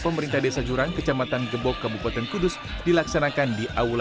kita menyarankan juga pimpin di kabupaten riau